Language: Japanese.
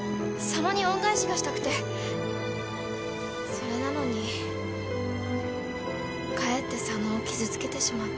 それなのにかえって佐野を傷つけてしまった。